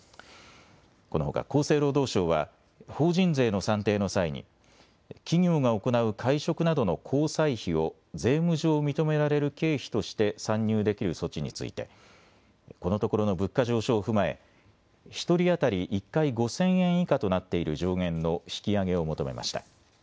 このほか厚生労働省は法人税の算定の際に企業が行う会食などの交際費を税務上認められる経費として算入できる措置についてこのところの物価上昇を踏まえ１人当たり１回５０００円以下となっている上限の引き上げを求めました。